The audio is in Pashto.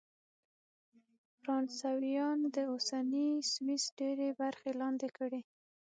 فرانسویانو د اوسني سویس ډېرې برخې لاندې کړې.